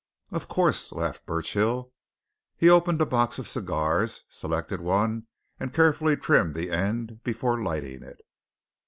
"Of course," laughed Burchill. He opened a box of cigars, selected one and carefully trimmed the end before lighting it.